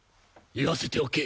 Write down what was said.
言わせておけ。